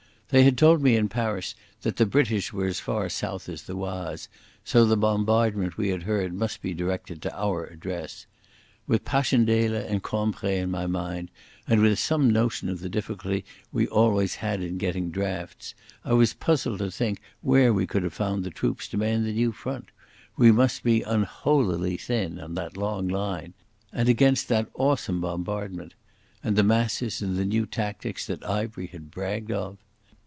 They had told me in Paris that the British were as far south as the Oise, so the bombardment we had heard must be directed to our address. With Passchendaele and Cambrai in my mind, and some notion of the difficulties we had always had in getting drafts, I was puzzled to think where we could have found the troops to man the new front. We must be unholily thin on that long line. And against that awesome bombardment! And the masses and the new tactics that Ivery had bragged of!